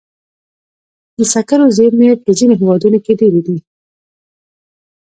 د سکرو زیرمې په ځینو هېوادونو کې ډېرې دي.